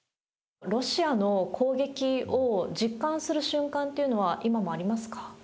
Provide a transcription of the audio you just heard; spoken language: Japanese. ロシアの攻撃を実感する瞬間というのは、今もありますか？